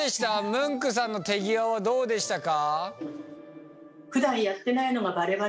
ムンクさんの手際はどうでしたか？